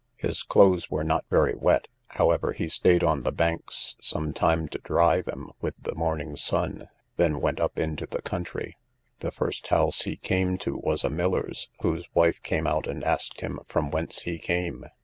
His clothes were not very wet; however, he staid on the banks some time to dry them with the morning sun, then went up into the country. The first house he came to was a miller's, whose wife came out and asked him from whence he came?